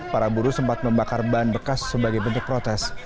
para buruh sempat membakar ban bekas sebagai bentuk protes